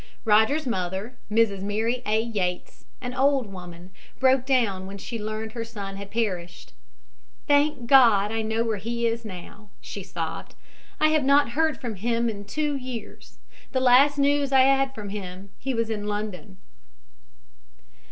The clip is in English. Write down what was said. Rogers' mother, Mrs. Mary A. Yates, an old woman, broke down when she learned son had perished. "Thank God I know where he is now," she sobbed. "I have not heard from him for two years. The last news I had from him he was in London."